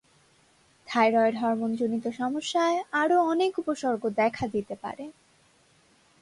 Thyroid হরমোনজনিত সমস্যায় আরও অনেক উপসর্গ দেখা দিতে পারে।